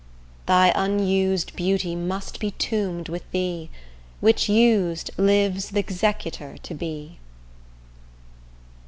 Thy unused beauty must be tombed with thee, Which, used, lives th' executor to be.